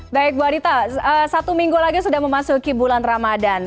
baik bu adita satu minggu lagi sudah memasuki bulan ramadan